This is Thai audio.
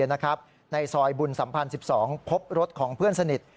ในซอยบุญสัมพันธ์๑๒พบรถของเพื่อนสนิท